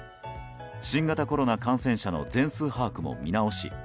新型コロナ感染者の全数把握も見直し